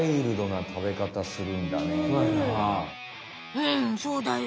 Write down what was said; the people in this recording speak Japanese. うんそうだよ。